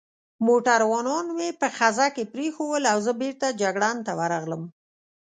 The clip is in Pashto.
موټروانان مې په خزه کې پرېښوول او زه بېرته جګړن ته ورغلم.